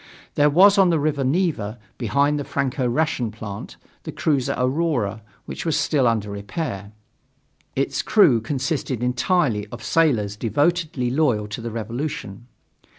There was on the river Neva, behind the Franco Russian plant, the cruiser Aurora, which was under repair. Its crew consisted entirely of sailors devotedly loyal to the revolution.